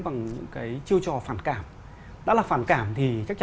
bằng cái sự phản cảm đấy